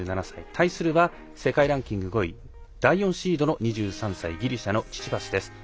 対するは、世界ランキング５位第４シードの２３歳ギリシャのチチパスです。